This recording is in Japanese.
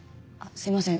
すいません。